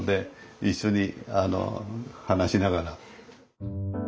一緒に話しながら。